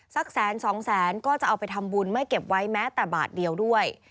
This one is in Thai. แสนสองแสนก็จะเอาไปทำบุญไม่เก็บไว้แม้แต่บาทเดียวด้วย